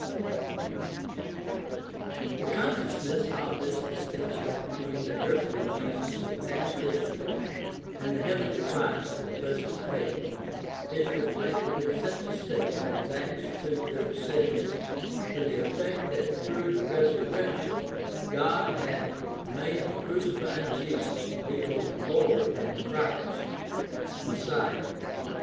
The 256 GUIDE TO STUDY OF CHRISTIAN RELIGION consciousness of this distinction between the earthly Jesus of past history and the heavenly Christ of present faith is reflected in such a statement as Acts 2:36 to the effect that through the resurrection God had made the crucified Jesus to be both Lord and Christ (Messiah).